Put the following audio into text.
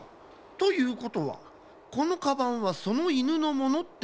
ということはこのカバンはそのイヌのものってわけ？